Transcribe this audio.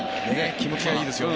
気持ちがいいですよね。